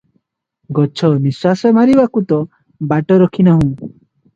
ଗଛ ନିଃଶ୍ୱାସ ମାରିବାକୁ ତ ବାଟ ରଖି ନାହୁଁ ।